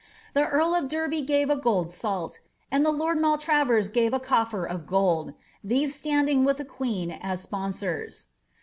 The earl of Derby gave a gold salt, and the Lord Mai tra vers gave a cofier of gold ; these stand ing with the queen as sponsors.''